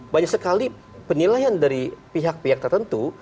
banyak sekali penilaian dari pihak pihak tertentu